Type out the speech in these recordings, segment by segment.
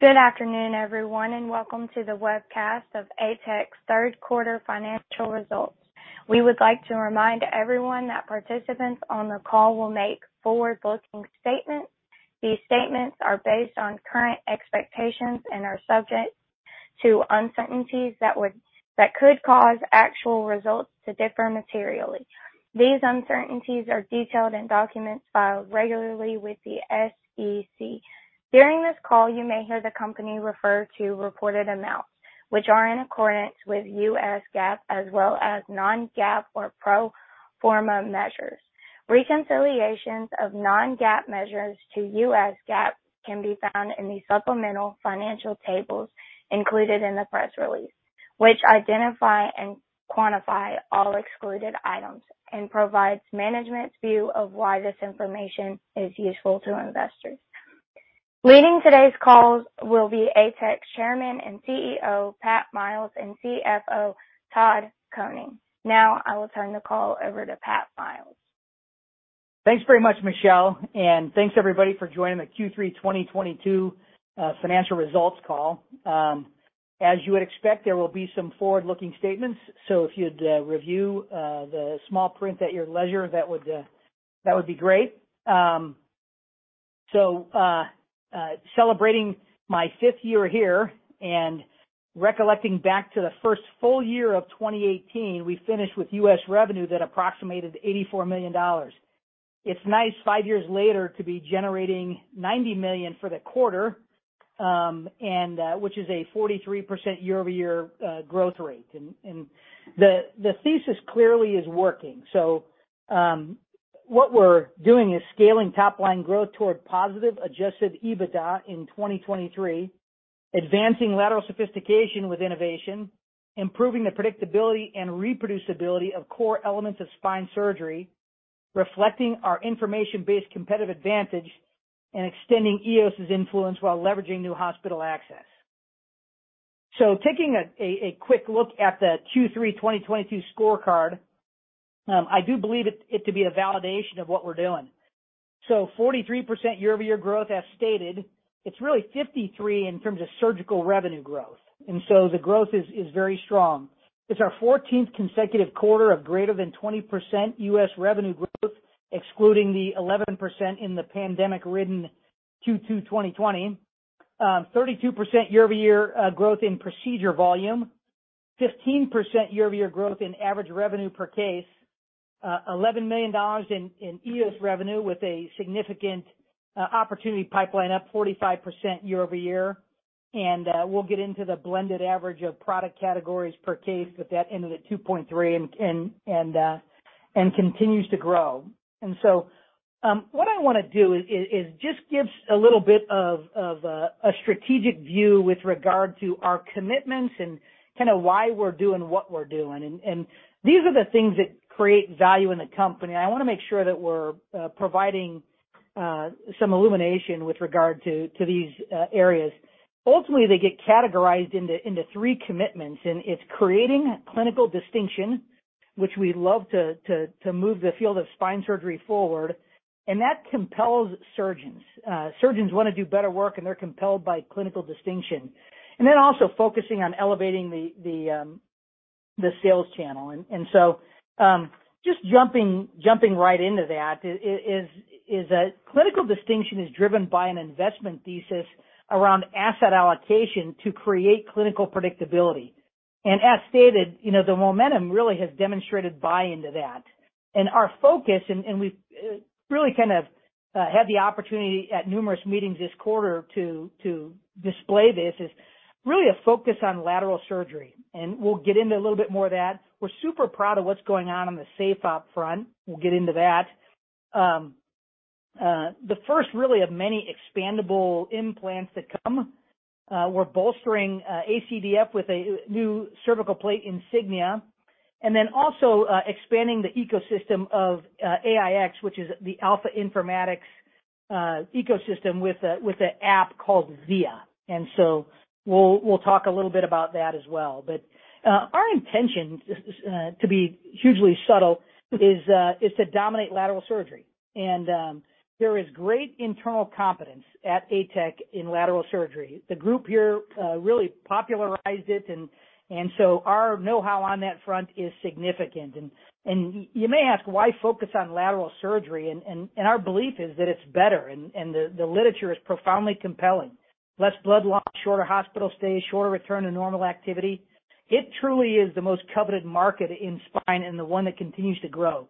Good afternoon, everyone, and welcome to the webcast of ATEC's third quarter financial results. We would like to remind everyone that participants on the call will make forward-looking statements. These statements are based on current expectations and are subject to uncertainties that could cause actual results to differ materially. These uncertainties are detailed in documents filed regularly with the SEC. During this call, you may hear the company refer to reported amounts which are in accordance with U.S. GAAP as well as non-GAAP or pro forma measures. Reconciliations of non-GAAP measures to U.S. GAAP can be found in the supplemental financial tables included in the press release, which identify and quantify all excluded items and provides management's view of why this information is useful to investors. Leading today's call will be ATEC Chairman and CEO, Pat Miles, and CFO, Todd Koning. Now I will turn the call over to Pat Miles. Thanks very much, Michelle, and thanks everybody for joining the Q3 2022 financial results call. As you would expect, there will be some forward-looking statements, so if you'd review the small print at your leisure, that would be great. Celebrating my fifth year here and recollecting back to the first full year of 2018, we finished with U.S. revenue that approximated $84 million. It's nice five years later to be generating $90 million for the quarter, and which is a 43% year-over-year growth rate. The thesis clearly is working. What we're doing is scaling top line growth toward positive adjusted EBITDA in 2023, advancing lateral sophistication with innovation, improving the predictability and reproducibility of core elements of spine surgery, reflecting our information-based competitive advantage, and extending EOS's influence while leveraging new hospital access. Taking a quick look at the Q3 2022 scorecard, I do believe it to be a validation of what we're doing. Forty-three percent year-over-year growth as stated. It's really 53% in terms of surgical revenue growth. The growth is very strong. It's our 14th consecutive quarter of greater than 20% US revenue growth, excluding the 11% in the pandemic-ridden Q2 2020. Thirty-two percent year-over-year growth in procedure volume. 15% year-over-year growth in average revenue per case. $11 million in EOS revenue with a significant opportunity pipeline up 45% year-over-year. We'll get into the blended average of product categories per case, but that ended at 2.3 and continues to grow. What I wanna do is just give a little bit of a strategic view with regard to our commitments and kinda why we're doing what we're doing. These are the things that create value in the company. I wanna make sure that we're providing some illumination with regard to these areas. Ultimately, they get categorized into three commitments, and it's creating clinical distinction, which we love to move the field of spine surgery forward, and that compels surgeons. Surgeons wanna do better work, and they're compelled by clinical distinction. Then also focusing on elevating the sales channel. Just jumping right into that is that clinical distinction is driven by an investment thesis around asset allocation to create clinical predictability. As stated, you know, the momentum really has demonstrated buy-in to that. Our focus, we've really kind of had the opportunity at numerous meetings this quarter to display this, is really a focus on lateral surgery. We'll get into a little bit more of that. We're super proud of what's going on in the SafeOp front. We'll get into that. The first really of many expandable implants that come, we're bolstering ACDF with a new cervical plate Insignia, and then also expanding the ecosystem of AIX, which is the Alpha InformatiX ecosystem with an app called VIA. We'll talk a little bit about that as well. Our intention to be hugely subtle is to dominate lateral surgery. There is great internal competence at ATEC in lateral surgery. The group here really popularized it and so our know-how on that front is significant. You may ask, why focus on lateral surgery? Our belief is that it's better and the literature is profoundly compelling. Less blood loss, shorter hospital stays, shorter return to normal activity. It truly is the most coveted market in spine and the one that continues to grow.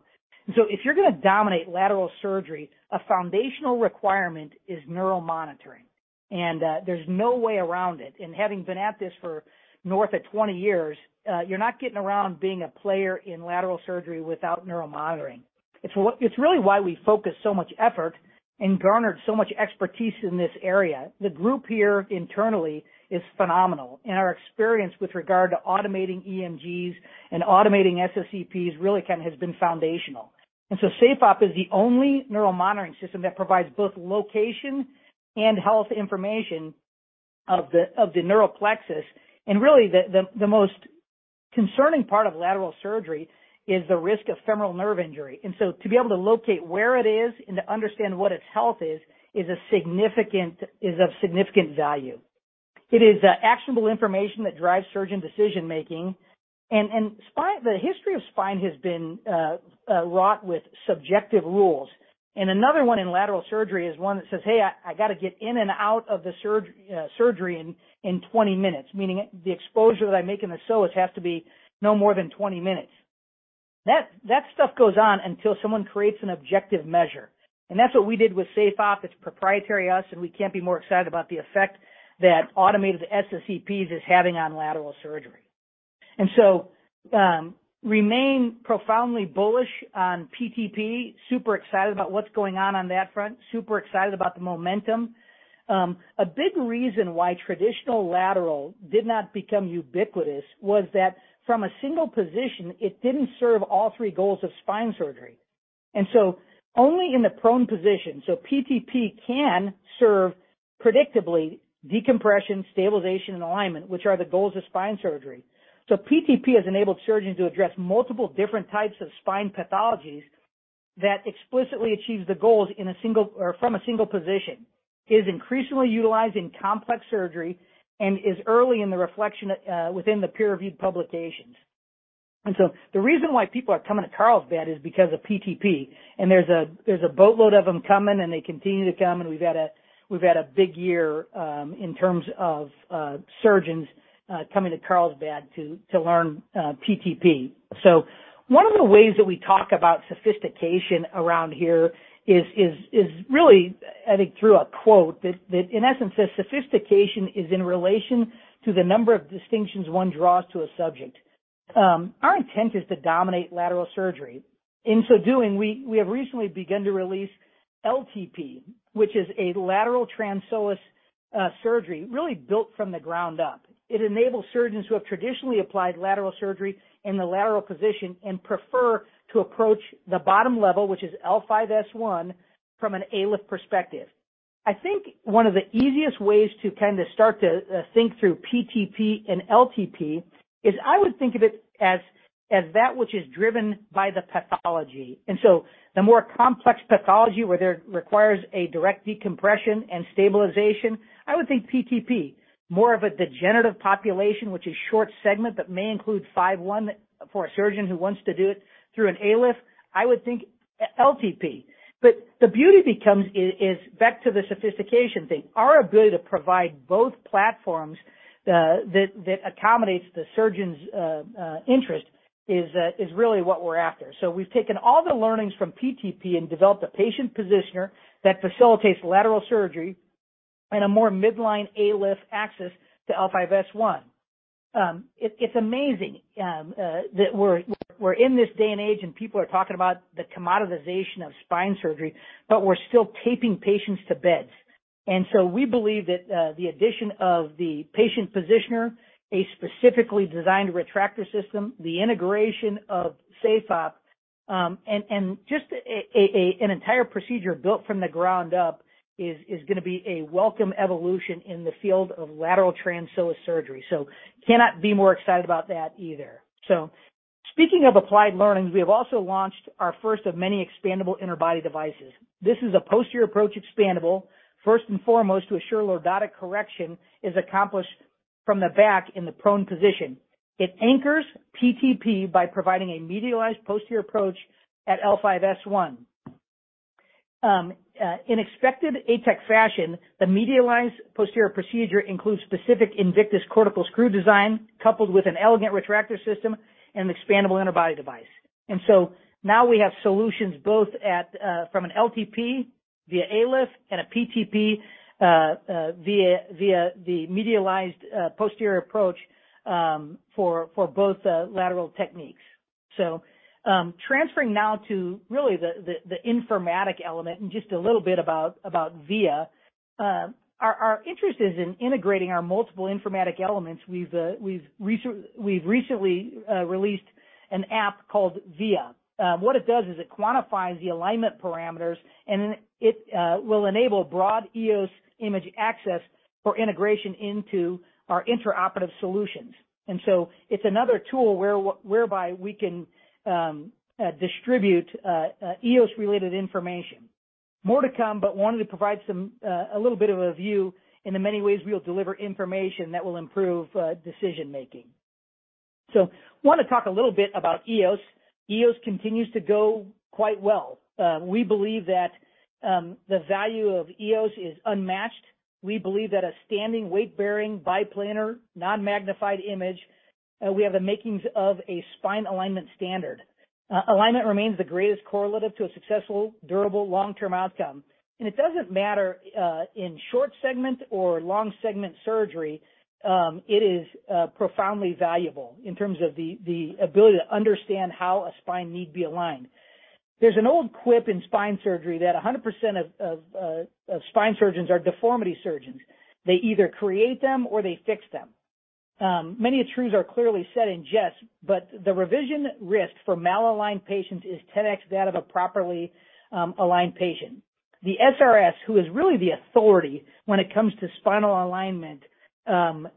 If you're gonna dominate lateral surgery, a foundational requirement is neural monitoring. There's no way around it. Having been at this for north of 20 years, you're not getting around being a player in lateral surgery without neural monitoring. It's really why we focus so much effort and garnered so much expertise in this area. The group here internally is phenomenal, and our experience with regard to automating EMGs and automating SSEPs really kinda has been foundational. SafeOp is the only neural monitoring system that provides both location and health information of the neural plexus, and really the most concerning part of lateral surgery is the risk of femoral nerve injury. To be able to locate where it is and to understand what its health is is of significant value. It is actionable information that drives surgeon decision-making. The history of spine has been wrought with subjective rules. Another one in lateral surgery is one that says, "Hey, I gotta get in and out of the surgery in 20 minutes." Meaning the exposure that I make in the psoas has to be no more than 20 minutes. That stuff goes on until someone creates an objective measure. That's what we did with SafeOp. It's proprietary to us, and we can't be more excited about the effect that automated SSEPs is having on lateral surgery. Remain profoundly bullish on PTP, super excited about what's going on on that front. Super excited about the momentum. A big reason why traditional lateral did not become ubiquitous was that from a single position, it didn't serve all three goals of spine surgery. Only in the prone position, so PTP can serve predictably decompression, stabilization, and alignment, which are the goals of spine surgery. PTP has enabled surgeons to address multiple different types of spine pathologies that explicitly achieves the goals from a single position. It is increasingly utilized in complex surgery and is early in the adoption within the peer-reviewed publications. The reason why people are coming to Carlsbad is because of PTP. There's a boatload of them coming, and they continue to come, and we've had a big year in terms of surgeons coming to Carlsbad to learn PTP. One of the ways that we talk about sophistication around here is really adding through a quote that in essence says, "Sophistication is in relation to the number of distinctions one draws to a subject." Our intent is to dominate lateral surgery. In so doing, we have recently begun to release LTP, which is a lateral transpsoas surgery really built from the ground up. It enables surgeons who have traditionally applied lateral surgery in the lateral position and prefer to approach the bottom level, which is L5-S1, from an ALIF perspective. I think one of the easiest ways to kinda start to think through PTP and LTP is I would think of it as that which is driven by the pathology. The more complex pathology where there requires a direct decompression and stabilization, I would think PTP. More of a degenerative population, which is short segment, but may include L5-S1 for a surgeon who wants to do it through an ALIF. I would think LTP. The beauty is back to the sophistication thing. Our ability to provide both platforms that accommodates the surgeon's interest is really what we're after. We've taken all the learnings from PTP and developed a patient positioner that facilitates lateral surgery and a more midline ALIF access to L5-S1. It's amazing that we're in this day and age and people are talking about the commoditization of spine surgery, but we're still taping patients to beds. We believe that the addition of the patient positioner, a specifically designed retractor system, the integration of SafeOp and just an entire procedure built from the ground up is gonna be a welcome evolution in the field of lateral transpsoas surgery. Cannot be more excited about that either. Speaking of applied learnings, we have also launched our first of many expandable interbody devices. This is a posterior approach expandable, first and foremost, to assure lordotic correction is accomplished from the back in the prone position. It anchors PTP by providing a medialized posterior approach at L5-S1. In expected ATEC fashion, the medialized posterior procedure includes specific Invictus cortical screw design coupled with an elegant retractor system and expandable interbody device. Now we have solutions both at from an LTP via ALIF and a PTP via the medialized posterior approach for both lateral techniques. Transferring now to really the informatic element and just a little bit about VIA. Our interest is in integrating our multiple informatic elements. We've recently released an app called VIA. What it does is it quantifies the alignment parameters, and it will enable broad EOS image access for integration into our intraoperative solutions. It's another tool whereby we can distribute EOS-related information. More to come, but wanted to provide some a little bit of a view in the many ways we'll deliver information that will improve decision-making. Wanna talk a little bit about EOS. EOS continues to go quite well. We believe that the value of EOS is unmatched. We believe that a standing weight-bearing biplanar non-magnified image, we have the makings of a spine alignment standard. Alignment remains the greatest correlative to a successful, durable, long-term outcome. It doesn't matter in short segment or long segment surgery, it is profoundly valuable in terms of the ability to understand how a spine need be aligned. There's an old quip in spine surgery that 100% of spine surgeons are deformity surgeons. They either create them or they fix them. Many a truths are clearly said in jest, but the revision risk for malaligned patients is 10x that of a properly aligned patient. The SRS, who is really the authority when it comes to spinal alignment, are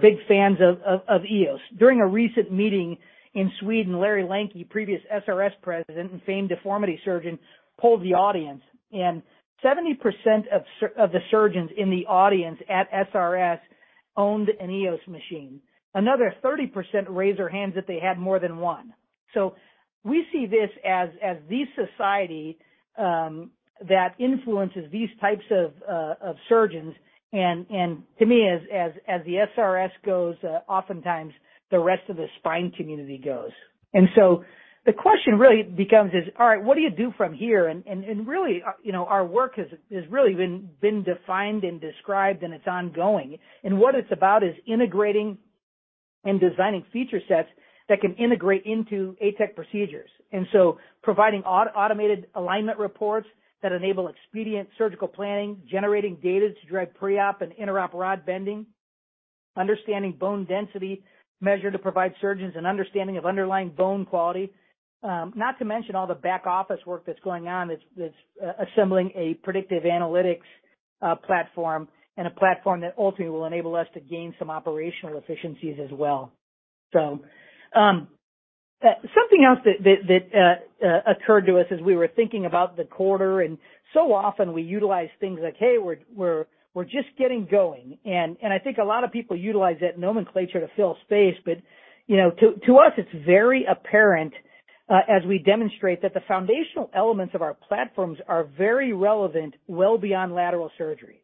big fans of EOS. During a recent meeting in Sweden, Larry Lenke, previous SRS president and famed deformity surgeon, polled the audience, and 70% of the surgeons in the audience at SRS owned an EOS machine. Another 30% raised their hands that they had more than one. We see this as the society that influences these types of surgeons. To me, as the SRS goes, oftentimes the rest of the spine community goes. The question really becomes, is all right, what do you do from here? Really, you know, our work has really been defined and described, and it's ongoing. What it's about is integrating and designing feature sets that can integrate into ATEC procedures, providing automated alignment reports that enable expedient surgical planning, generating data to drive pre-op and intra-op rod bending, understanding bone density measure to provide surgeons an understanding of underlying bone quality, not to mention all the back-office work that's going on that's assembling a predictive analytics platform and a platform that ultimately will enable us to gain some operational efficiencies as well. Something else that occurred to us as we were thinking about the quarter. Often we utilize things like, hey, we're just getting going. I think a lot of people utilize that nomenclature to fill space. //////// You know, to us it's very apparent as we demonstrate that the foundational elements of our platforms are very relevant well beyond lateral surgery.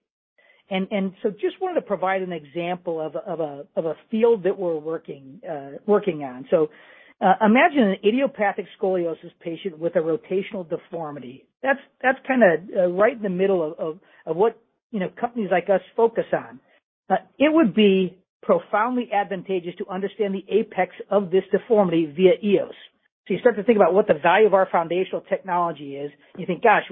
Just wanted to provide an example of a field that we're working on. Imagine an idiopathic scoliosis patient with a rotational deformity. That's kinda right in the middle of what you know companies like us focus on. It would be profoundly advantageous to understand the apex of this deformity via EOS. You start to think about what the value of our foundational technology is. You think, gosh,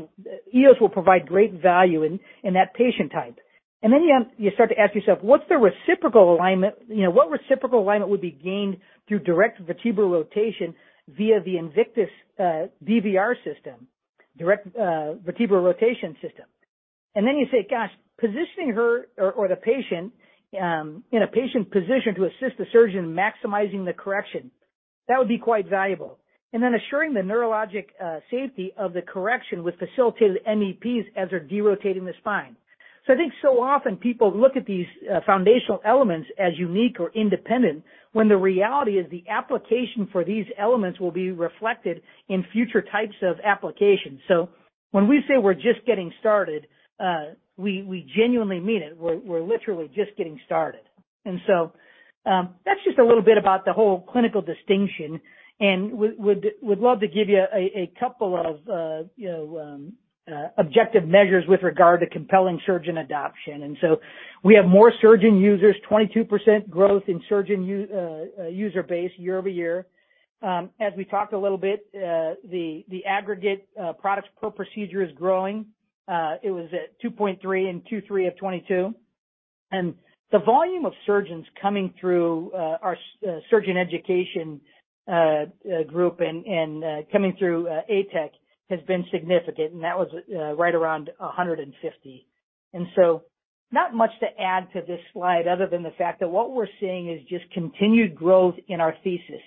EOS will provide great value in that patient type. You start to ask yourself, "What's the reciprocal alignment? You know, what reciprocal alignment would be gained through direct vertebral rotation via the Invictus, DVR system, direct, vertebral rotation system? Then you say, "Gosh, positioning her or the patient in a patient position to assist the surgeon in maximizing the correction, that would be quite valuable." Assuring the neurologic safety of the correction with facilitated MEPs as they're derotating the spine. I think so often people look at these foundational elements as unique or independent, when the reality is the application for these elements will be reflected in future types of applications. When we say we're just getting started, we genuinely mean it. We're literally just getting started. That's just a little bit about the whole clinical distinction, and we'd love to give you a couple of, you know, objective measures with regard to compelling surgeon adoption. We have more surgeon users, 22% growth in surgeon user base year-over-year. As we talked a little bit, the aggregate products per procedure is growing. It was at 2.3 in Q3 of 2022. The volume of surgeons coming through our surgeon education group and coming through ATEC has been significant, and that was right around 150. Not much to add to this slide other than the fact that what we're seeing is just continued growth in our thesis.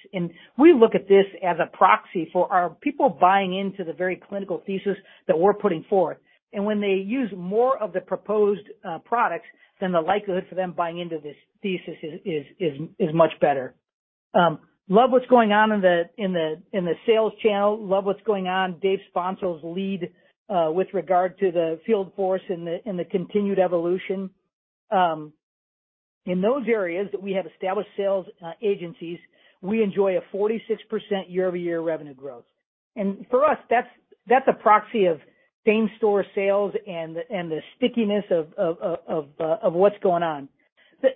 We look at this as a proxy for are people buying into the very clinical thesis that we're putting forth? When they use more of the proposed products, then the likelihood for them buying into this thesis is much better. Love what's going on in the sales channel. Love what's going on, Dave Sponsel's lead with regard to the field force and the continued evolution. In those areas that we have established sales agencies, we enjoy a 46% year-over-year revenue growth. For us, that's a proxy of same-store sales and the stickiness of what's going on.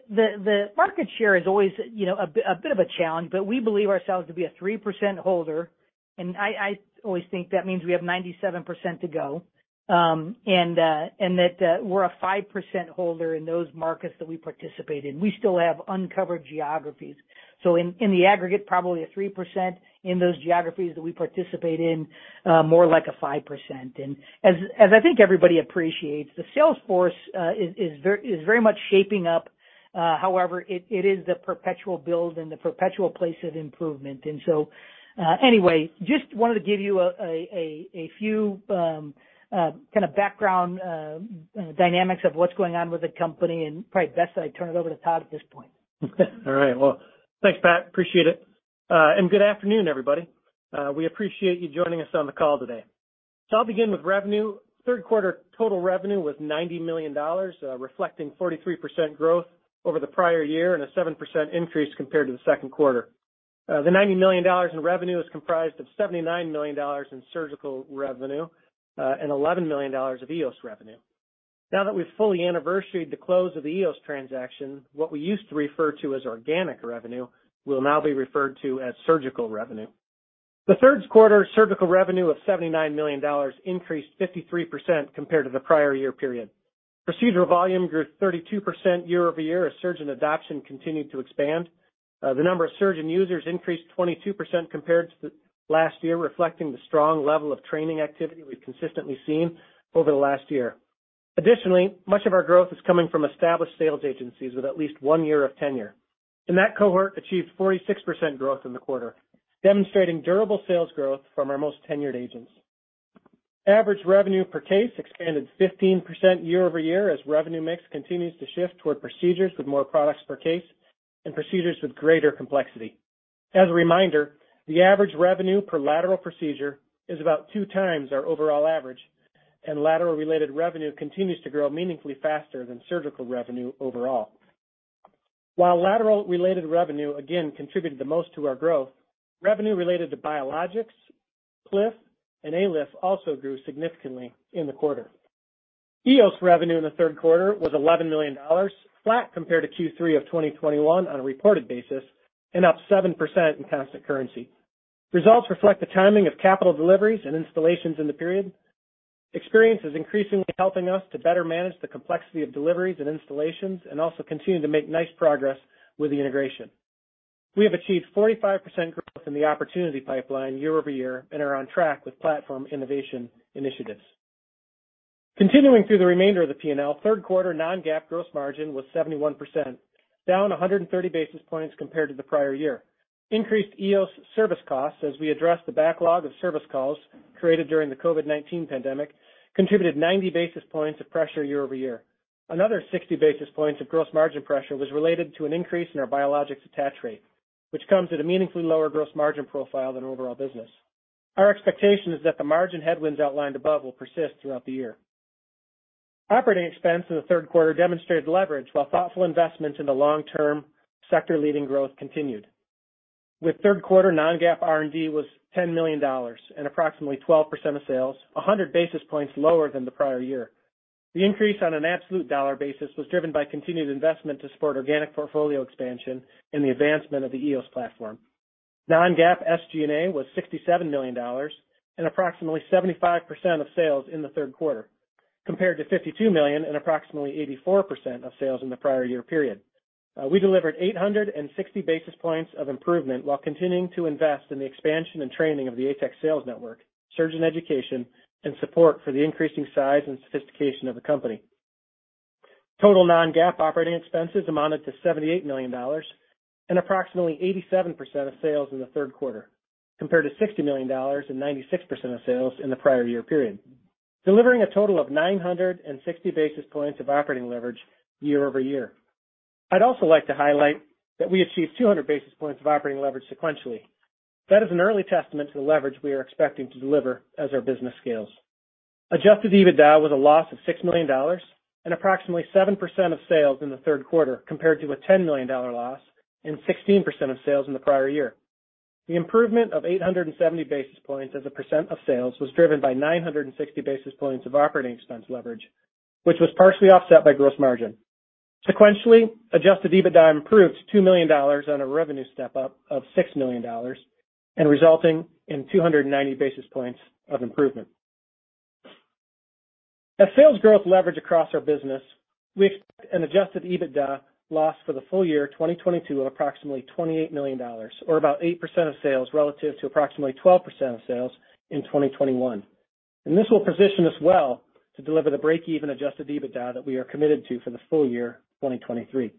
The market share is always, you know, a bit of a challenge, but we believe ourselves to be a 3% holder, and I always think that means we have 97% to go, and that we're a 5% holder in those markets that we participate in. We still have uncovered geographies. In the aggregate, probably a 3%. In those geographies that we participate in, more like a 5%. As I think everybody appreciates, the sales force is very much shaping up, however it is the perpetual build and the perpetual place of improvement. Anyway, just wanted to give you a few kinda background dynamics of what's going on with the company, and probably best that I turn it over to Todd at this point. All right. Well, thanks, Pat, appreciate it. And good afternoon, everybody. We appreciate you joining us on the call today. I'll begin with revenue. Third quarter total revenue was $90 million, reflecting 43% growth over the prior year and a 7% increase compared to the second quarter. The $90 million in revenue is comprised of $79 million in surgical revenue, and $11 million of EOS revenue. Now that we've fully anniversaried the close of the EOS transaction, what we used to refer to as organic revenue will now be referred to as surgical revenue. The third quarter surgical revenue of $79 million increased 53% compared to the prior year period. Procedure volume grew 32% year-over-year as surgeon adoption continued to expand. The number of surgeon users increased 22% compared to the last year, reflecting the strong level of training activity we've consistently seen over the last year. Additionally, much of our growth is coming from established sales agencies with at least 1 year of tenure, and that cohort achieved 46% growth in the quarter, demonstrating durable sales growth from our most tenured agents. Average revenue per case expanded 15% year-over-year as revenue mix continues to shift toward procedures with more products per case and procedures with greater complexity. As a reminder, the average revenue per lateral procedure is about 2 times our overall average, and lateral-related revenue continues to grow meaningfully faster than surgical revenue overall. While lateral-related revenue again contributed the most to our growth, revenue related to biologics, Cliff, and ALIF also grew significantly in the quarter. EOS revenue in the third quarter was $11 million, flat compared to Q3 of 2021 on a reported basis and up 7% in constant currency. Results reflect the timing of capital deliveries and installations in the period. Experience is increasingly helping us to better manage the complexity of deliveries and installations and also continue to make nice progress with the integration. We have achieved 45% growth in the opportunity pipeline year-over-year and are on track with platform innovation initiatives. Continuing through the remainder of the P&L, third quarter non-GAAP gross margin was 71%, down 130 basis points compared to the prior year. Increased EOS service costs as we address the backlog of service calls created during the COVID-19 pandemic contributed 90 basis points of pressure year-over-year. Another 60 basis points of gross margin pressure was related to an increase in our biologics attach rate, which comes at a meaningfully lower gross margin profile than overall business. Our expectation is that the margin headwinds outlined above will persist throughout the year. Operating expense in the third quarter demonstrated leverage while thoughtful investments in the long-term sector-leading growth continued. With third quarter non-GAAP R&D was $10 million and approximately 12% of sales, 100 basis points lower than the prior year. The increase on an absolute dollar basis was driven by continued investment to support organic portfolio expansion and the advancement of the EOS platform. Non-GAAP SG&A was $67 million and approximately 75% of sales in the third quarter, compared to $52 million and approximately 84% of sales in the prior year period. We delivered 860 basis points of improvement while continuing to invest in the expansion and training of the ATEC sales network, surgeon education, and support for the increasing size and sophistication of the company. Total non-GAAP operating expenses amounted to $78 million and approximately 87% of sales in the third quarter, compared to $60 million and 96% of sales in the prior year period, delivering a total of 960 basis points of operating leverage year-over-year. I'd also like to highlight that we achieved 200 basis points of operating leverage sequentially. That is an early testament to the leverage we are expecting to deliver as our business scales. Adjusted EBITDA was a loss of $6 million and approximately 7% of sales in the third quarter, compared to a $10 million loss and 16% of sales in the prior year. The improvement of 870 basis points as a percent of sales was driven by 960 basis points of operating expense leverage, which was partially offset by gross margin. Sequentially, adjusted EBITDA improved to $2 million on a revenue step-up of $6 million and resulting in 290 basis points of improvement. As sales growth leverage across our business, we expect an adjusted EBITDA loss for the full year 2022 of approximately $28 million or about 8% of sales relative to approximately 12% of sales in 2021. This will position us well to deliver the break-even adjusted EBITDA that we are committed to for the full year 2023.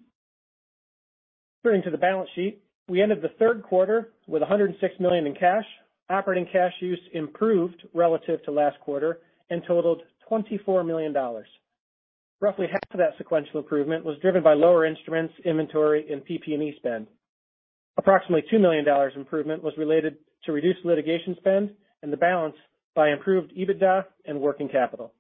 Turning to the balance sheet, we ended the third quarter with $106 million in cash. Operating cash use improved relative to last quarter and totaled $24 million. Roughly half of that sequential improvement was driven by lower instruments, inventory, and PP&E spend. Approximately $2 million improvement was related to reduced litigation spend and the balance by improved EBITDA and working capital.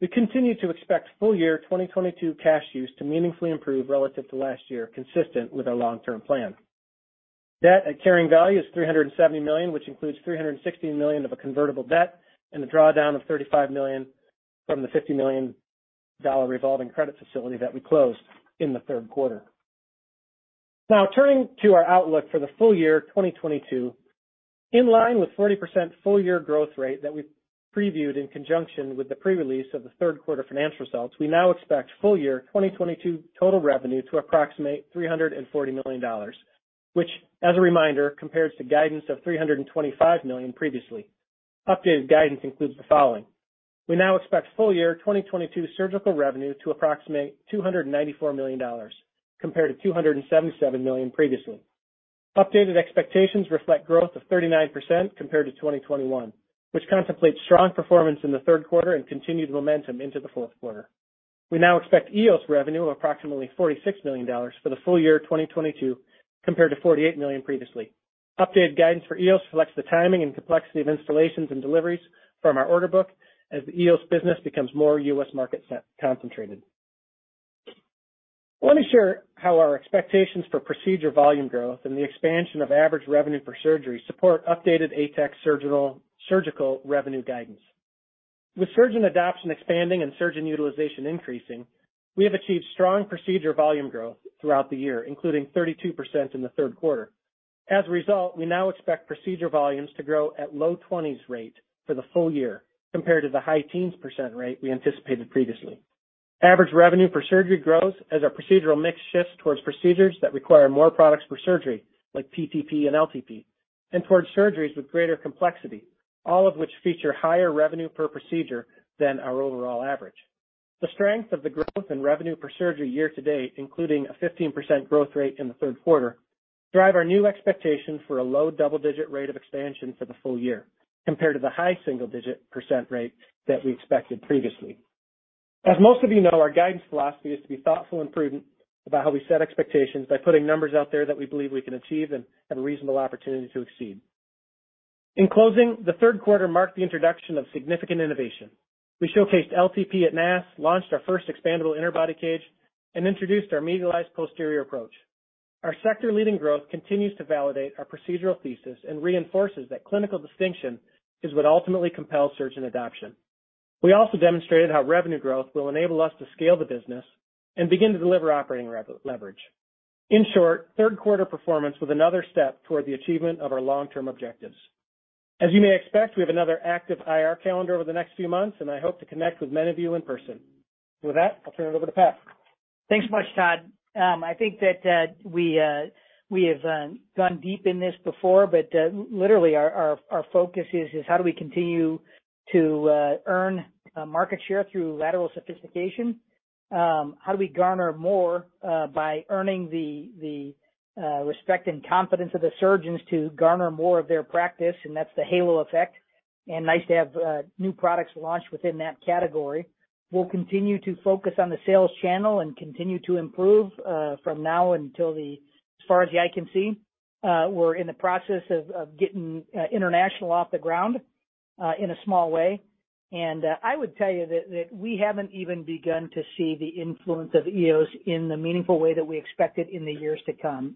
We continue to expect full year 2022 cash use to meaningfully improve relative to last year, consistent with our long-term plan. Debt at carrying value is $370 million, which includes $360 million of convertible debt and the drawdown of $35 million from the $50 million revolving credit facility that we closed in the third quarter. Now, turning to our outlook for the full year 2022. In line with 40% full year growth rate that we previewed in conjunction with the pre-release of the third quarter financial results, we now expect full year 2022 total revenue to approximate $340 million, which, as a reminder, compares to guidance of $325 million previously. Updated guidance includes the following. We now expect full year 2022 surgical revenue to approximate $294 million, compared to $277 million previously. Updated expectations reflect growth of 39% compared to 2021, which contemplates strong performance in the third quarter and continued momentum into the fourth quarter. We now expect EOS revenue of approximately $46 million for the full year of 2022, compared to $48 million previously. Updated guidance for EOS reflects the timing and complexity of installations and deliveries from our order book as the EOS business becomes more U.S. market-centric. Let me share how our expectations for procedure volume growth and the expansion of average revenue per surgery support updated ATEC surgical revenue guidance. With surgeon adoption expanding and surgeon utilization increasing, we have achieved strong procedure volume growth throughout the year, including 32% in the third quarter. As a result, we now expect procedure volumes to grow at low 20s rate for the full year compared to the high teens % rate we anticipated previously. Average revenue per surgery grows as our procedural mix shifts towards procedures that require more products per surgery, like PTP and LTP, and towards surgeries with greater complexity, all of which feature higher revenue per procedure than our overall average. The strength of the growth in revenue per surgery year to date, including a 15% growth rate in the third quarter, drive our new expectation for a low double-digit rate of expansion for the full year, compared to the high single-digit % rate that we expected previously. As most of you know, our guidance philosophy is to be thoughtful and prudent about how we set expectations by putting numbers out there that we believe we can achieve and have a reasonable opportunity to exceed. In closing, the third quarter marked the introduction of significant innovation. We showcased LTP at NASS, launched our first expandable interbody cage, and introduced our medialized posterior approach. Our sector-leading growth continues to validate our procedural thesis and reinforces that clinical distinction is what ultimately compels surgeon adoption. We also demonstrated how revenue growth will enable us to scale the business and begin to deliver operating re-leverage. In short, third quarter performance was another step toward the achievement of our long-term objectives. As you may expect, we have another active IR calendar over the next few months, and I hope to connect with many of you in person. With that, I'll turn it over to Pat. Thanks so much, Todd. I think that we have gone deep in this before, but literally our focus is how do we continue to earn market share through lateral sophistication? How do we garner more by earning the respect and confidence of the surgeons to garner more of their practice, and that's the halo effect. Nice to have new products launched within that category. We'll continue to focus on the sales channel and continue to improve from now until as far as the eye can see. We're in the process of getting international off the ground in a small way. I would tell you that we haven't even begun to see the influence of EOS in the meaningful way that we expect it in the years to come.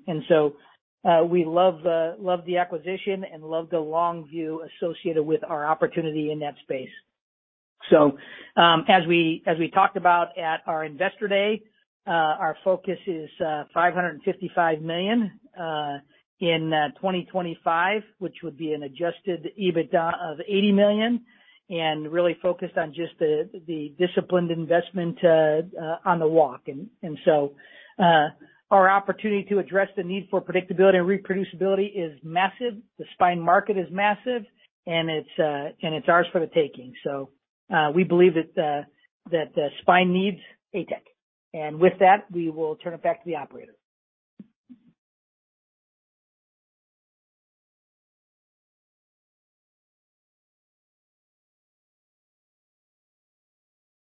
We love the acquisition and love the long view associated with our opportunity in that space. As we talked about at our Investor Day, our focus is $555 million in 2025, which would be an adjusted EBITDA of $80 million, and really focused on just the disciplined investment on the walk. Our opportunity to address the need for predictability and reproducibility is massive. The spine market is massive, and it's ours for the taking. We believe that the spine needs ATEC. With that, we will turn it back to the operator.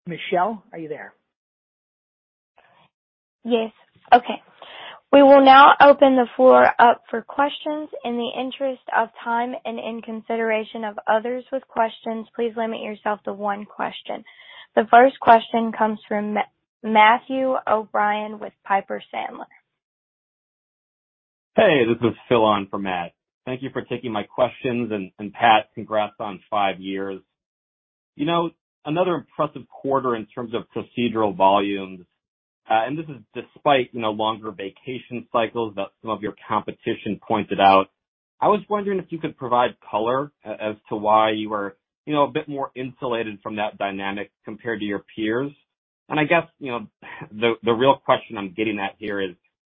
Michelle, are you there? Yes. Okay. We will now open the floor up for questions. In the interest of time and in consideration of others with questions, please limit yourself to one question. The first question comes from Matthew O'Brien with Piper Sandler. Hey, this is Phil on for Matt. Thank you for taking my questions. Pat, congrats on five years. You know, another impressive quarter in terms of procedural volumes, and this is despite, you know, longer vacation cycles that some of your competition pointed out. I was wondering if you could provide color as to why you were, you know, a bit more insulated from that dynamic compared to your peers. I guess, you know, the real question I'm getting at here is,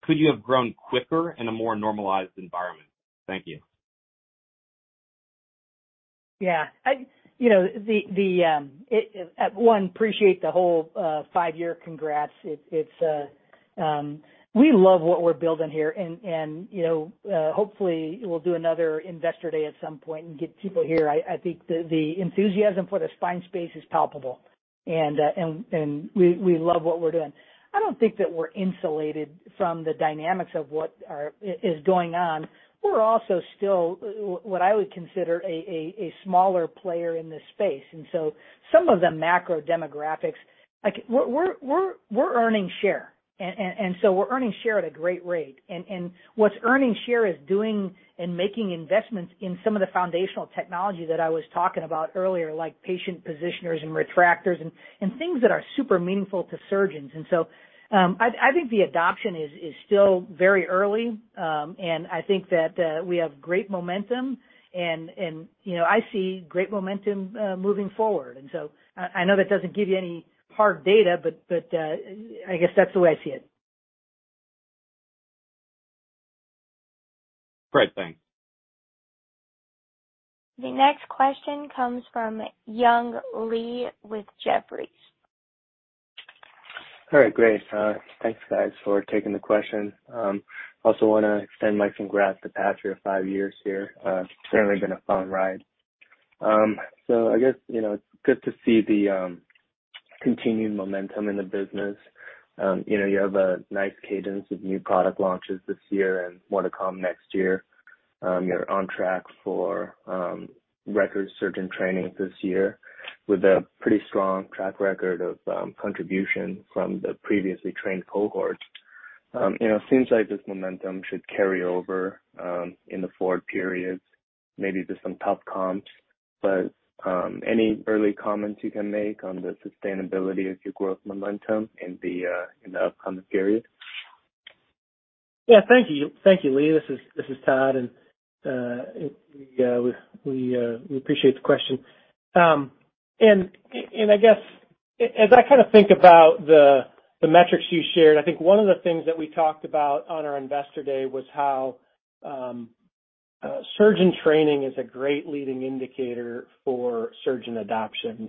could you have grown quicker in a more normalized environment? Thank you. Yeah. You know, I appreciate the whole five-year congrats. We love what we're building here and, you know, hopefully we'll do another Investor Day at some point and get people here. I think the enthusiasm for the spine space is palpable, and we love what we're doing. I don't think that we're insulated from the dynamics of what is going on. We're also still what I would consider a smaller player in this space, and so some of the macro demographics. Like, we're earning share. So we're earning share at a great rate. What's gaining share is doing and making investments in some of the foundational technology that I was talking about earlier, like patient positioners and retractors and things that are super meaningful to surgeons. I think the adoption is still very early. I think that we have great momentum and, you know, I see great momentum moving forward. I know that doesn't give you any hard data, but I guess that's the way I see it. Great. Thanks. The next question comes from Young Li with Jefferies. All right. Great. Thanks, guys, for taking the question. Also wanna extend my congrats to Pat for your five years here. It's certainly been a fun ride. I guess, you know, it's good to see the continued momentum in the business. You know, you have a nice cadence of new product launches this year and more to come next year. You're on track for record surgeon training this year with a pretty strong track record of contribution from the previously trained cohorts. You know, seems like this momentum should carry over in the forward periods, maybe just some tough comps. Any early comments you can make on the sustainability of your growth momentum in the upcoming period? Yeah. Thank you. Thank you, Lee. This is Todd, and we appreciate the question. I guess as I kinda think about the metrics you shared, I think one of the things that we talked about on our investor day was how surgeon training is a great leading indicator for surgeon adoption.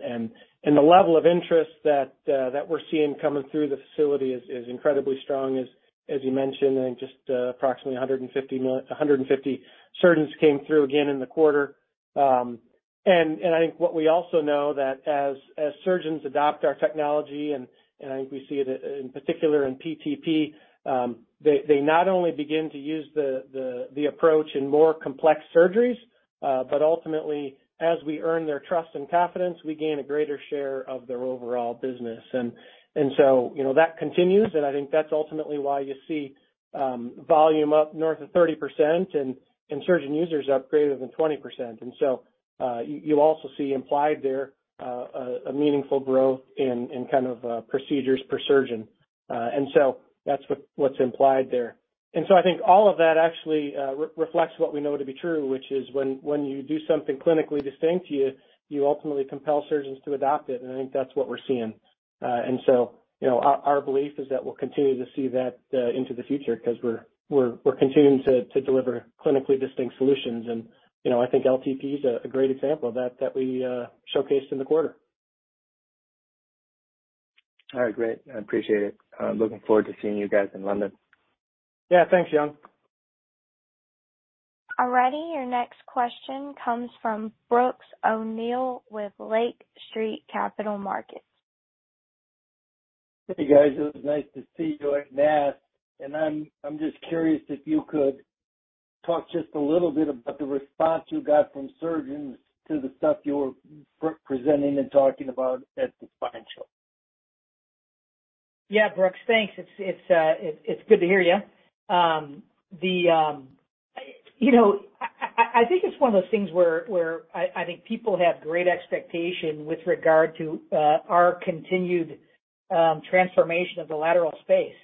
The level of interest that we're seeing coming through the facility is incredibly strong as you mentioned, and just approximately 150 surgeons came through again in the quarter. I think what we also know that as surgeons adopt our technology, I think we see it in particular in PTP, they not only begin to use the approach in more complex surgeries, but ultimately, as we earn their trust and confidence, we gain a greater share of their overall business. You know, that continues, and I think that's ultimately why you see volume up north of 30% and surgeon users up greater than 20%. You also see implied there a meaningful growth in kind of procedures per surgeon. That's what's implied there. I think all of that actually reflects what we know to be true, which is when you do something clinically distinct, you ultimately compel surgeons to adopt it, and I think that's what we're seeing. You know, our belief is that we'll continue to see that into the future 'cause we're continuing to deliver clinically distinct solutions. You know, I think LTP is a great example of that that we showcased in the quarter. All right. Great. I appreciate it. I'm looking forward to seeing you guys in London. Yeah. Thanks, Young. All righty. Your next question comes from Brooks O'Neil with Lake Street Capital Markets. Hey, guys. It was nice to see you at NASS. I'm just curious if you could talk just a little bit about the response you got from surgeons to the stuff you were presenting and talking about at the spine show. Yeah. Brooks, thanks. It's good to hear you. You know, I think it's one of those things where I think people have great expectation with regard to our continued transformation of the lateral space.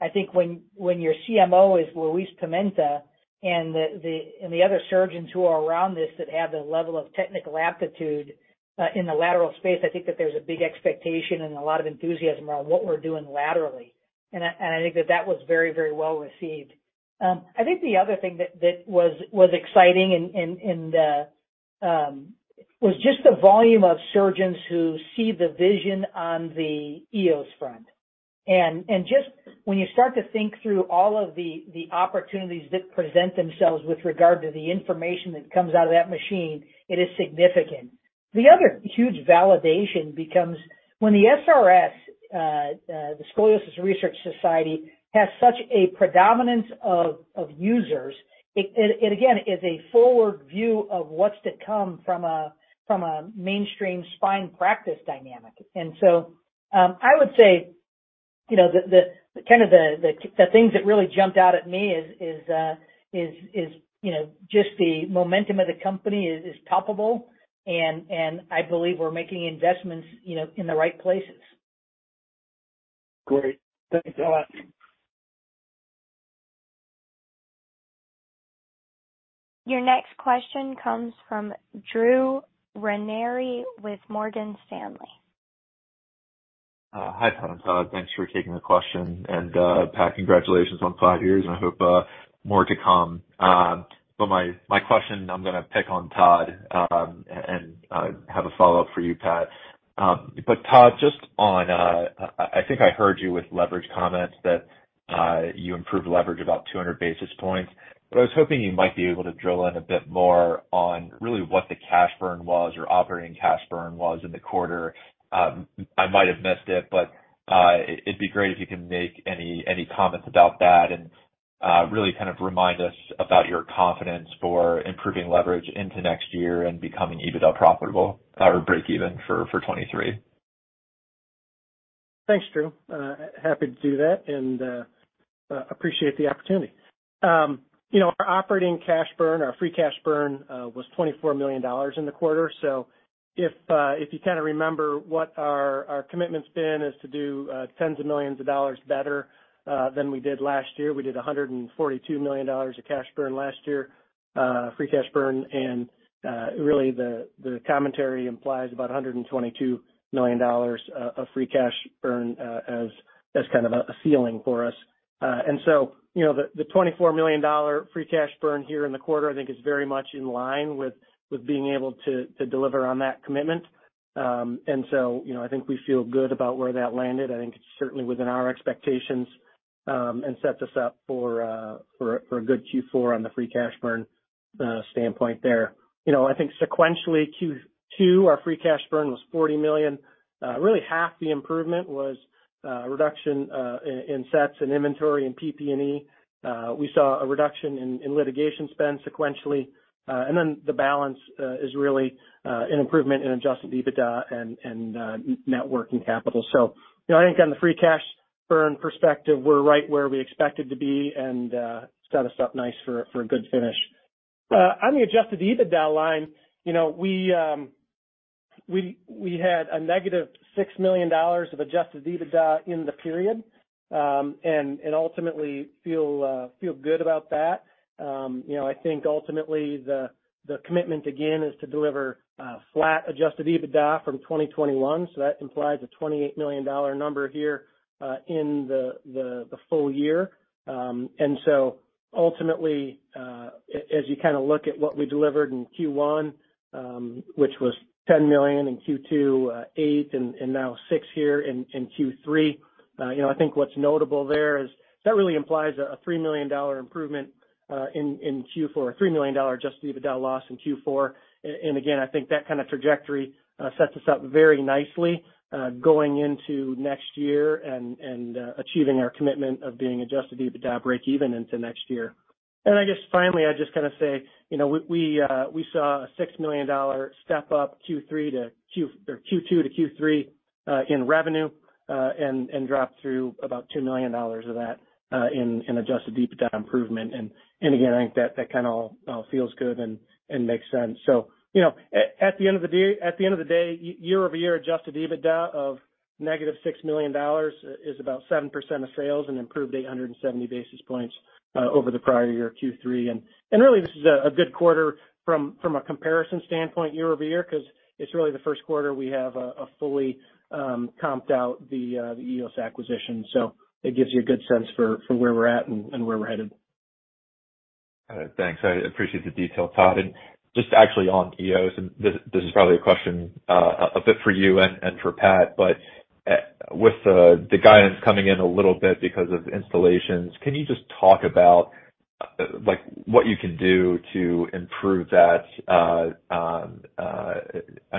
I think when your CMO is Luiz Pimenta and the other surgeons who are around this that have the level of technical aptitude in the lateral space, I think that there's a big expectation and a lot of enthusiasm around what we're doing laterally. I think that was very well received. I think the other thing that was exciting was just the volume of surgeons who see the vision on the EOS front. Just when you start to think through all of the opportunities that present themselves with regard to the information that comes out of that machine, it is significant. The other huge validation becomes when the SRS, the Scoliosis Research Society has such a predominance of users, it again is a forward view of what's to come from a mainstream spine practice dynamic. I would say, you know, the kind of things that really jumped out at me is, you know, just the momentum of the company is palpable, and I believe we're making investments, you know, in the right places. Great. Thanks a lot. Your next question comes from Drew Ranieri with Morgan Stanley. Hi, Todd. Thanks for taking the question. Pat, congratulations on five years, and I hope more to come. My question, I'm gonna pick on Todd and have a follow-up for you, Pat. Todd, just on, I think I heard you with leverage comments that you improved leverage about 200 basis points. I was hoping you might be able to drill in a bit more on really what the cash burn was or operating cash burn was in the quarter. I might have missed it, but it'd be great if you can make any comments about that and really kind of remind us about your confidence for improving leverage into next year and becoming EBITDA profitable or breakeven for 2023. Thanks, Drew. Happy to do that, and appreciate the opportunity. You know, our operating cash burn, our free cash burn, was $24 million in the quarter. If you kinda remember what our commitment's been is to do tens of millions of dollars better than we did last year. We did $142 million of cash burn last year, free cash burn. Really the commentary implies about $122 million of free cash burn as kind of a ceiling for us. You know, the $24 million free cash burn here in the quarter, I think is very much in line with being able to deliver on that commitment. You know, I think we feel good about where that landed. I think it's certainly within our expectations, and sets us up for a good Q4 on the free cash burn standpoint there. You know, I think sequentially, Q2, our free cash burn was $40 million. Really half the improvement was a reduction in sets and inventory and PP&E. We saw a reduction in litigation spend sequentially. And then the balance is really an improvement in adjusted EBITDA and net working capital. You know, I think on the free cash burn perspective, we're right where we expected to be and set us up nice for a good finish. On the adjusted EBITDA line, you know, we had a negative $6 million of adjusted EBITDA in the period and ultimately feel good about that. You know, I think ultimately the commitment again is to deliver flat adjusted EBITDA from 2021. That implies a $28 million number here in the full year. Ultimately, as you kind of look at what we delivered in Q1, which was $10 million in Q2, $8 million, and now $6 million here in Q3, you know, I think what's notable there is that really implies a $3 million improvement in Q4, a $3 million adjusted EBITDA loss in Q4. Again, I think that kind of trajectory sets us up very nicely, going into next year and achieving our commitment of being adjusted EBITDA breakeven into next year. I guess finally, I'd just kind of say, you know, we saw a $6 million step up Q2-Q3 in revenue, and dropped through about $2 million of that in adjusted EBITDA improvement. Again, I think that kind of all feels good and makes sense. You know, at the end of the day, year-over-year, adjusted EBITDA of -$6 million is about 7% of sales and improved 870 basis points over the prior year Q3. Really this is a good quarter from a comparison standpoint year-over-year, 'cause it's really the first quarter we have a fully comped out the EOS acquisition. It gives you a good sense for where we're at and where we're headed. All right. Thanks. I appreciate the detail, Todd. Just actually on EOS, this is probably a question a bit for you and for Pat, but with the guidance coming in a little bit because of installations, can you just talk about like what you can do to improve that? I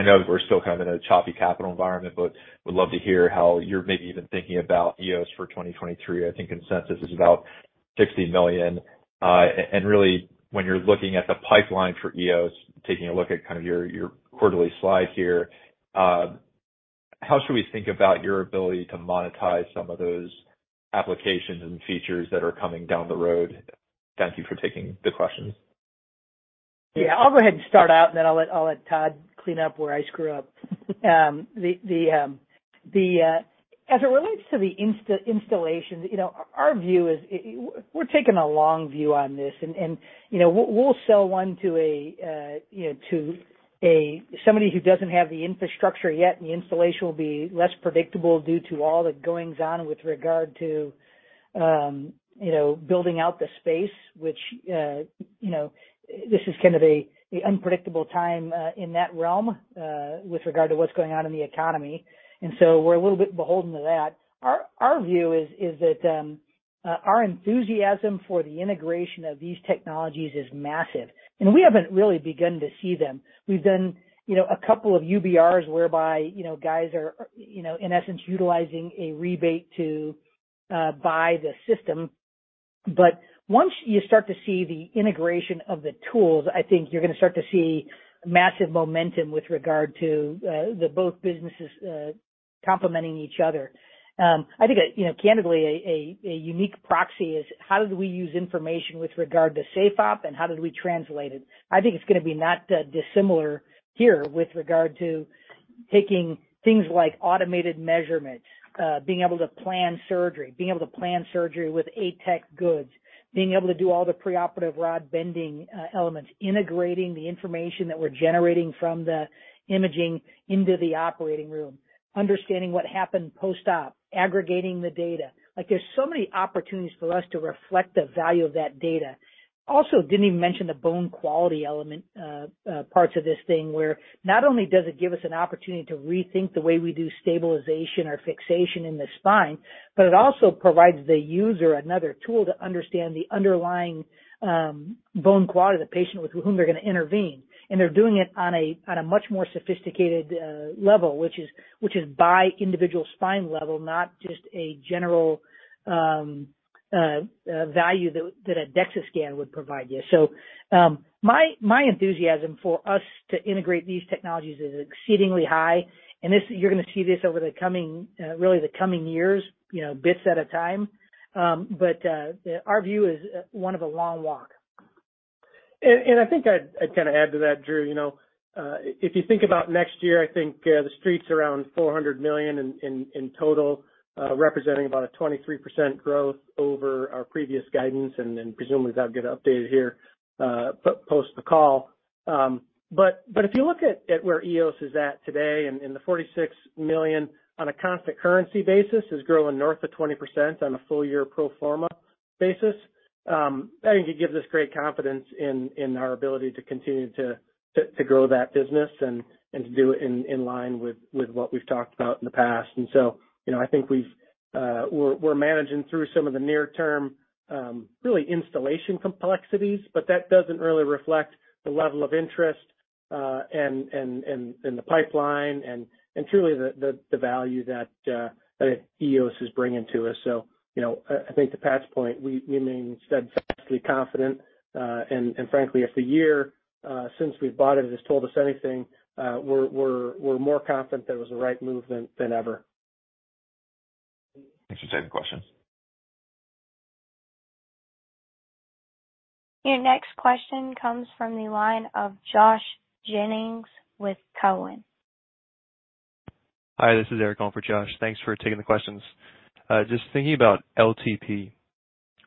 know that we're still kind of in a choppy capital environment, but would love to hear how you're maybe even thinking about EOS for 2023. I think consensus is about $60 million. Really, when you're looking at the pipeline for EOS, taking a look at kind of your quarterly slide here, how should we think about your ability to monetize some of those applications and features that are coming down the road? Thank you for taking the questions. Yeah. I'll go ahead and start out, and then I'll let Todd clean up where I screw up. As it relates to the EOS installations, you know, our view is, we're taking a long view on this. You know, we'll sell one to a, you know, to a somebody who doesn't have the infrastructure yet, and the installation will be less predictable due to all the goings-on with regard to, you know, building out the space, which, you know, this is kind of a unpredictable time in that realm with regard to what's going on in the economy. We're a little bit beholden to that. Our view is that our enthusiasm for the integration of these technologies is massive, and we haven't really begun to see them. We've done, you know, a couple of UBRs whereby, you know, guys are, you know, in essence utilizing a rebate to buy the system. Once you start to see the integration of the tools, I think you're gonna start to see massive momentum with regard to the both businesses complementing each other. I think, you know, candidly a unique proxy is how do we use information with regard to SafeOp and how do we translate it? I think it's gonna be not dissimilar here with regard to taking things like automated measurements, being able to plan surgery, being able to plan surgery with ATEC goods, being able to do all the preoperative rod bending elements, integrating the information that we're generating from the imaging into the operating room, understanding what happened post-op, aggregating the data. Like, there's so many opportunities for us to reflect the value of that data. Also, didn't even mention the bone quality element, parts of this thing, where not only does it give us an opportunity to rethink the way we do stabilization or fixation in the spine, but it also provides the user another tool to understand the underlying bone quality of the patient with whom they're gonna intervene. They're doing it on a much more sophisticated level, which is by individual spine level, not just a general value that a DEXA scan would provide you. My enthusiasm for us to integrate these technologies is exceedingly high. You're gonna see this over the coming, really the coming years, you know, bits at a time. Our view is one of a long walk. I think I'd kinda add to that, Drew. You know, if you think about next year, I think the Street's around $400 million in total, representing about 23% growth over our previous guidance, and then presumably that'll get updated here post the call. If you look at where EOS is at today and the $46 million on a constant currency basis is growing north of 20% on a full year pro forma basis, I think it gives us great confidence in our ability to continue to grow that business and to do it in line with what we've talked about in the past. You know, I think we're managing through some of the near term really installation complexities, but that doesn't really reflect the level of interest and the pipeline and truly the value that EOS is bringing to us. You know, I think to Pat's point, we remain steadfastly confident. Frankly, if the year since we've bought it has told us anything, we're more confident that it was the right movement than ever. Thanks for taking the question. Your next question comes from the line of Joshua Jennings with Cowen. Hi, this is Eric, on for Josh. Thanks for taking the questions. Just thinking about LTP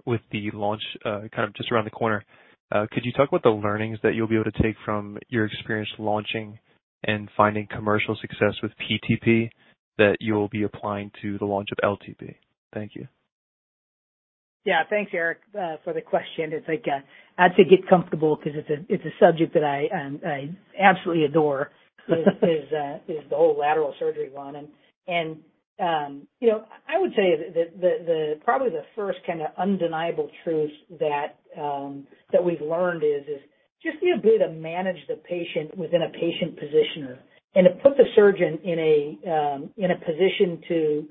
with the launch, kind of just around the corner. Could you talk about the learnings that you'll be able to take from your experience launching and finding commercial success with PTP that you'll be applying to the launch of LTP? Thank you. Thanks, Eric, for the question. It's like, I have to get comfortable 'cause it's a subject that I absolutely adore. But it's the whole lateral surgery one. You know, I would say that the probably the first kinda undeniable truth that we've learned is just the ability to manage the patient within a patient positioner and to put the surgeon in a position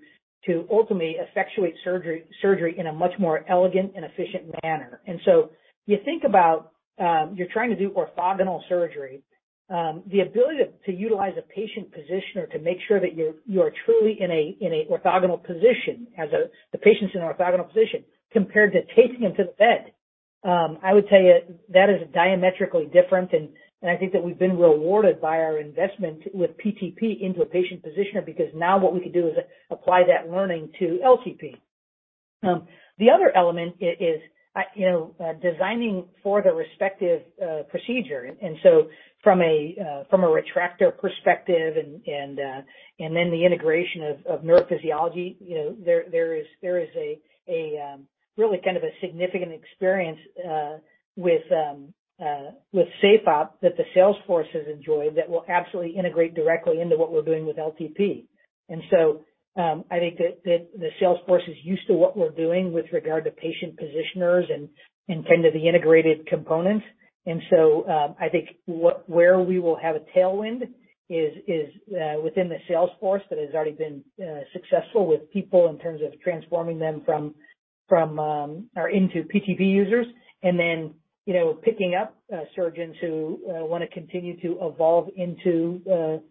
to ultimately effectuate surgery in a much more elegant and efficient manner. You think about, you're trying to do orthogonal surgery. The ability to utilize a patient positioner to make sure that you are truly in a orthogonal position as a... The patient's in an orthogonal position compared to taking them to the bed. I would tell you that is diametrically different, and I think that we've been rewarded by our investment with PTP into a patient positioner, because now what we can do is apply that learning to LTP. The other element is, you know, designing for the respective procedure. From a retractor perspective and then the integration of neurophysiology, you know, there is a really kind of a significant experience with SafeOp that the sales force has enjoyed that will absolutely integrate directly into what we're doing with LTP. I think that the sales force is used to what we're doing with regard to patient positioners and kind of the integrated components. I think where we will have a tailwind is within the sales force that has already been successful with people in terms of transforming them from or into PTP users. You know, picking up surgeons who wanna continue to evolve into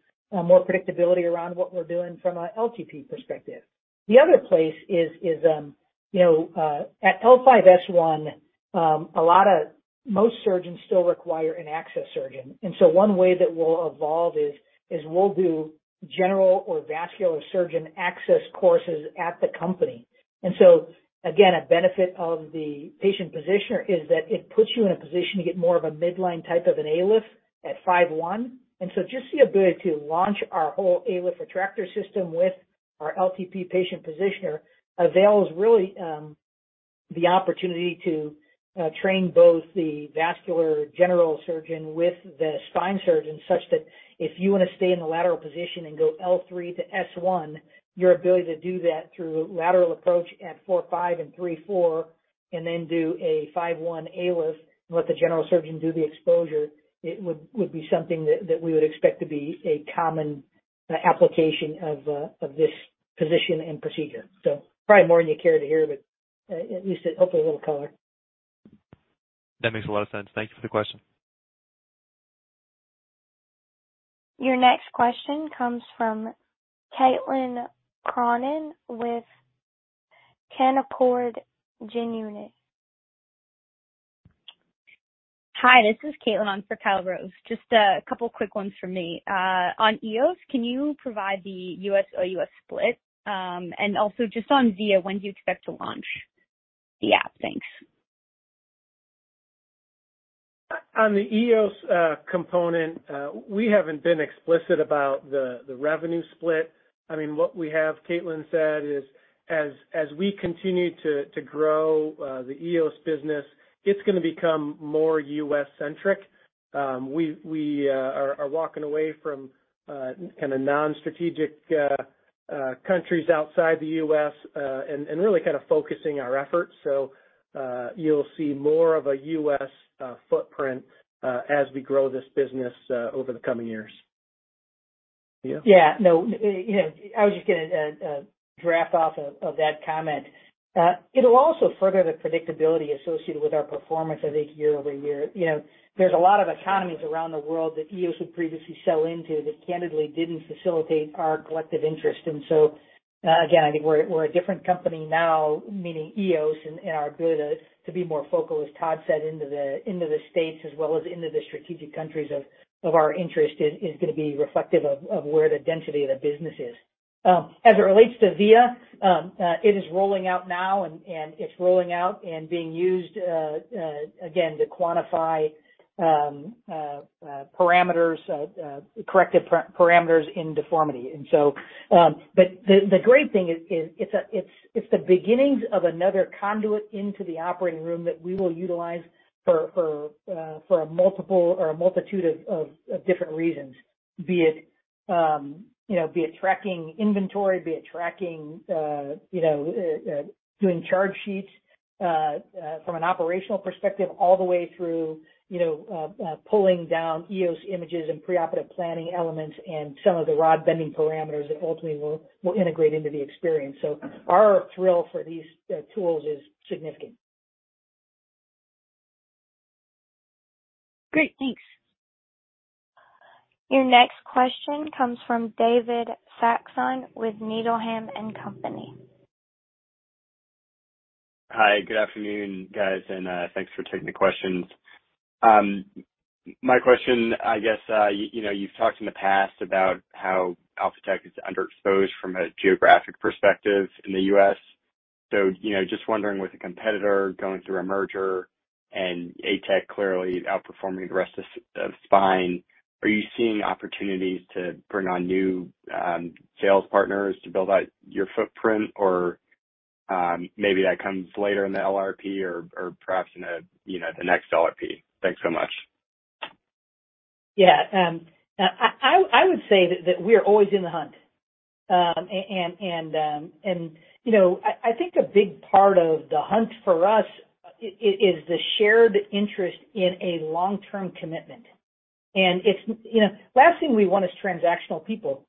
more predictability around what we're doing from a LTP perspective. The other place is you know at L5-S1 most surgeons still require an access surgeon. One way that we'll evolve is we'll do general or vascular surgeon access courses at the company. Again, a benefit of the patient positioner is that it puts you in a position to get more of a midline type of an ALIF at L5-S1. Just the ability to launch our whole ALIF retractor system with our LTP patient positioner avails really the opportunity to train both the vascular general surgeon with the spine surgeon, such that if you wanna stay in the lateral position and go L3 to S1, your ability to do that through lateral approach at L4-5 and L3-4 and then do a L5-S1 ALIF and let the general surgeon do the exposure, it would be something that we would expect to be a common application of this position and procedure. Probably more than you care to hear, but at least hopefully a little color. That makes a lot of sense. Thank you for the question. Your next question comes from Caitlin Cronin with Canaccord Genuity. Hi, this is Caitlin on for Kyle Rose. Just a couple quick ones from me. On EOS, can you provide the US OUS split? Also just on VIA, when do you expect to launch the app? Thanks. On the EOS component, we haven't been explicit about the revenue split. I mean, what we have, Caitlin, said is as we continue to grow the EOS business, it's gonna become more US-centric. We are walking away from kinda non-strategic countries outside the US and really kind of focusing our efforts. You'll see more of a US footprint as we grow this business over the coming years. Via? Yeah, no, you know, I was just gonna riff off of that comment. It'll also further the predictability associated with our performance I think year-over-year. You know, there's a lot of economies around the world that EOS would previously sell into that candidly didn't facilitate our collective interest. Again, I think we're a different company now, meaning EOS and our ability to be more focused, as Todd said, into the States as well as into the strategic countries of our interest is gonna be reflective of where the density of the business is. As it relates to VIA, it is rolling out now and it's rolling out and being used again to quantify parameters, corrective parameters in deformity. The great thing is it's the beginnings of another conduit into the operating room that we will utilize for a multiple or a multitude of different reasons, be it you know be it tracking inventory, be it tracking you know doing charge sheets from an operational perspective, all the way through you know pulling down EOS images and preoperative planning elements and some of the rod bending parameters that ultimately will integrate into the experience. Our thrill for these tools is significant. Great. Thanks. Your next question comes from David Saxon with Needham & Company. Hi, good afternoon, guys, and thanks for taking the questions. My question, I guess, you know, you've talked in the past about how Alphatec is underexposed from a geographic perspective in the U.S. You know, just wondering with a competitor going through a merger and ATEC clearly outperforming the rest of the spine, are you seeing opportunities to bring on new sales partners to build out your footprint? Or maybe that comes later in the LRP or perhaps in the next LRP. Thanks so much. Yeah. I would say that we're always in the hunt. You know, I think a big part of the hunt for us is the shared interest in a long-term commitment. It's, you know, last thing we want is transactional people.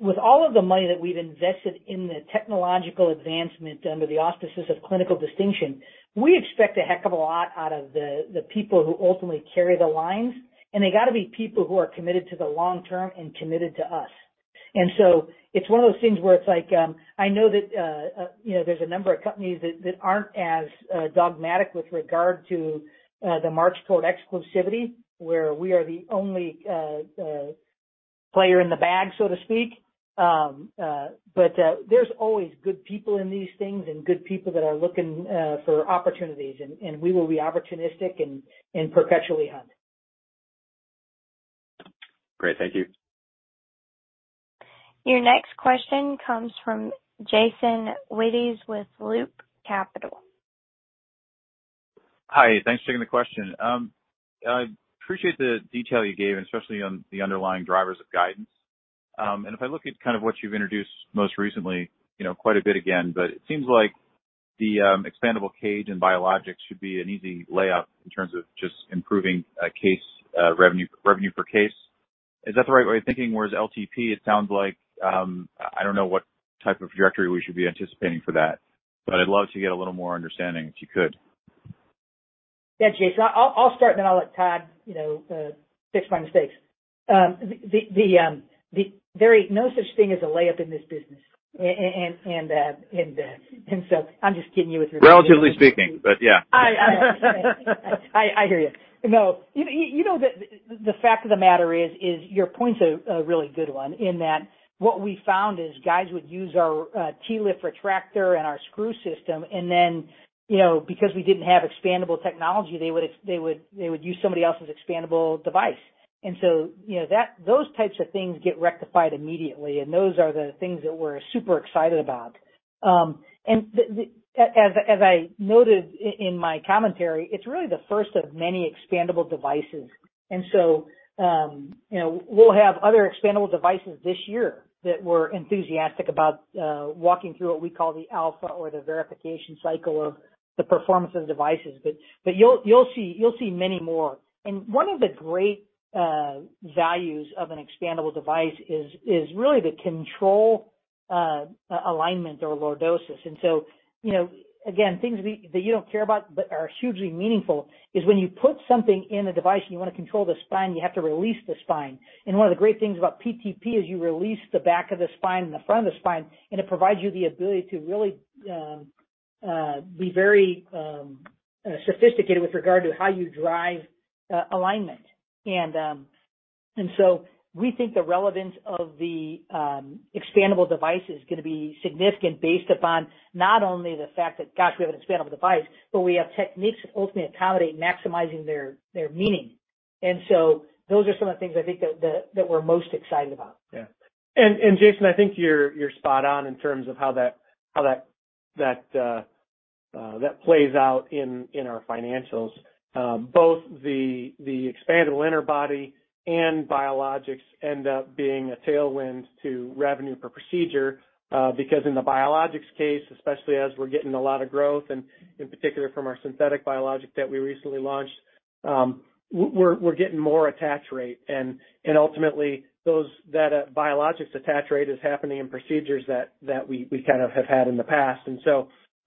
With all of the money that we've invested in the technological advancement under the auspices of clinical distinction, we expect a heck of a lot out of the people who ultimately carry the lines, and they gotta be people who are committed to the long term and committed to us. It's one of those things where it's like, I know that you know, there's a number of companies that aren't as dogmatic with regard to the market exclusivity, where we are the only player in the bag, so to speak. There's always good people in these things and good people that are looking for opportunities. We will be opportunistic and perpetually hunt. Great. Thank you. Your next question comes from Jason Wittes with Loop Capital. Hi. Thanks for taking the question. I appreciate the detail you gave, especially on the underlying drivers of guidance. If I look at kind of what you've introduced most recently, you know, quite a bit again, but it seems like the expandable cage and biologics should be an easy layup in terms of just improving case revenue per case. Is that the right way of thinking? Whereas LTP, it sounds like I don't know what type of trajectory we should be anticipating for that, but I'd love to get a little more understanding, if you could. Yeah. Jason, I'll start, and then I'll let Todd, you know, fix my mistakes. There ain't no such thing as a layup in this business. I'm just kidding you with regard to- Relatively speaking, but yeah. I hear you. No. You know, the fact of the matter is your point's a really good one in that what we found is guys would use our TLIF retractor and our screw system, and then, you know, because we didn't have expandable technology, they would use somebody else's expandable device. You know, those types of things get rectified immediately, and those are the things that we're super excited about. As I noted in my commentary, it's really the first of many expandable devices. You know, we'll have other expandable devices this year that we're enthusiastic about walking through what we call the alpha or the verification cycle of the performance of the devices. You'll see many more. One of the great values of an expandable device is really the control, alignment or lordosis. You know, again, things that you don't care about but are hugely meaningful is when you put something in a device and you wanna control the spine, you have to release the spine. One of the great things about PTP is you release the back of the spine and the front of the spine, and it provides you the ability to really be very sophisticated with regard to how you drive alignment. We think the relevance of the expandable device is gonna be significant based upon not only the fact that, gosh, we have an expandable device, but we have techniques that ultimately accommodate maximizing their meaning. Those are some of the things I think that we're most excited about. Yeah. Jason, I think you're spot on in terms of how that plays out in our financials. Both the expandable interbody and biologics end up being a tailwind to revenue per procedure, because in the biologics case, especially as we're getting a lot of growth, and in particular from our synthetic biologic that we recently launched, we're getting more attach rate. Ultimately, that biologics attach rate is happening in procedures that we kind of have had in the past.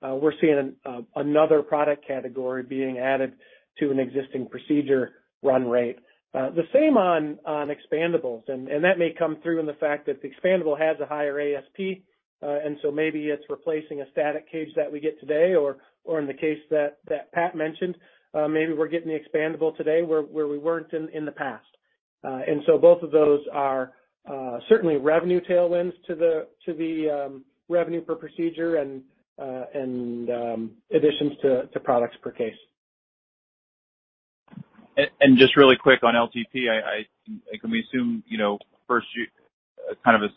We're seeing another product category being added to an existing procedure run rate. The same on expandables. That may come through in the fact that the expandable has a higher ASP, and so maybe it's replacing a static cage that we get today or in the case that Pat mentioned, maybe we're getting the expandable today where we weren't in the past. Both of those are certainly revenue tailwinds to the revenue per procedure and additions to products per case. Just really quick on LTP, can we assume, you know, first-gen kind of is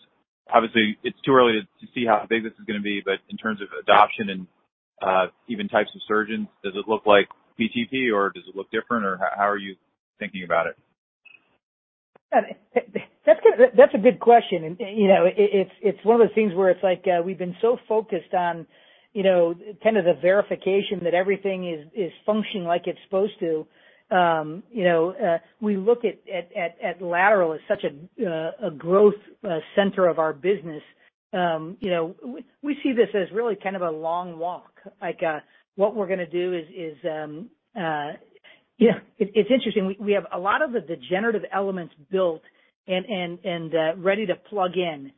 obviously it's too early to see how big this is gonna be, but in terms of adoption and even types of surgeons, does it look like PTP or does it look different or how are you thinking about it? That's a good question. You know, it's one of those things where it's like, we've been so focused on, you know, kind of the verification that everything is functioning like it's supposed to. You know, we look at lateral as such a growth center of our business. You know, we see this as really kind of a long walk. Like, what we're gonna do is. You know, it's interesting. We have a lot of the degenerative elements built and ready to plug in.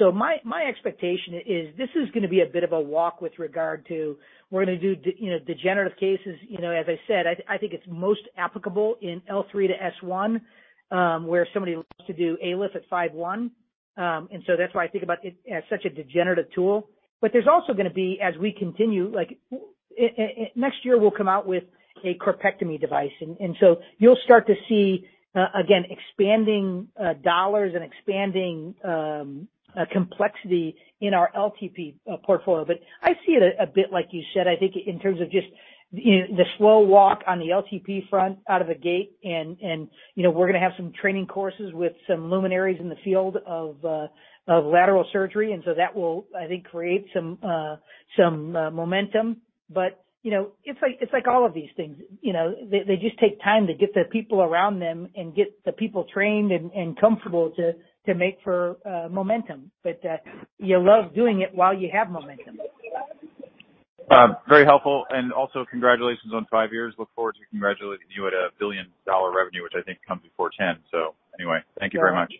My expectation is this is gonna be a bit of a walk with regard to we're gonna do degenerative cases. You know, as I said, I think it's most applicable in L3 to S1, where somebody looks to do ALIF at L5-S1. That's why I think about it as such a degenerative tool. There's also gonna be, as we continue, like next year we'll come out with a corpectomy device, and so you'll start to see again, expanding dollars and expanding complexity in our LTP portfolio. I see it a bit like you said, I think in terms of just, you know, the slow walk on the LTP front out of the gate and, you know, we're gonna have some training courses with some luminaries in the field of lateral surgery. That will, I think, create some momentum. You know, it's like all of these things, you know. They just take time to get the people around them and get the people trained and comfortable to make for momentum. You love doing it while you have momentum. Very helpful, and also congratulations on five years. Look forward to congratulating you at a billion-dollar revenue, which I think comes before ten. Anyway, thank you very much.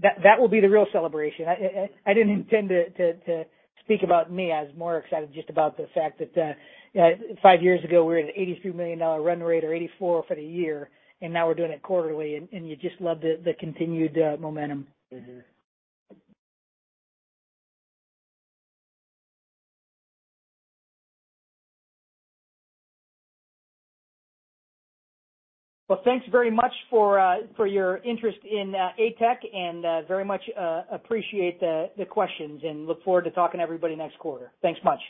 That will be the real celebration. I didn't intend to speak about me. I was more excited just about the fact that 5 years ago we were at an $83 million run rate or $84 million for the year, and now we're doing it quarterly. You just love the continued momentum. Mm-hmm. Well, thanks very much for your interest in ATEC and very much appreciate the questions and look forward to talking to everybody next quarter. Thanks much.